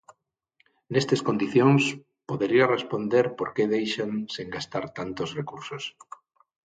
Nestes condicións, podería responder por que deixan sen gastar tantos recursos.